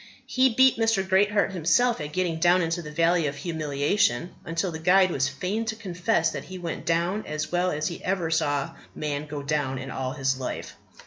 He beat Mr. Greatheart himself at getting down into the Valley of Humiliation, till the guide was fain to confess that he went down as well as he ever saw man go down in all his life.